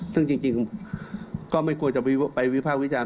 ซึ่งจริงก็ไม่ควรจะไปวิภาควิจารณ